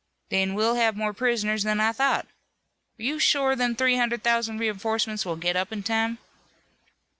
"Then we'll have more prisoners than I thought. Are you shore them three hundred thousand reinforcements will get up in time?"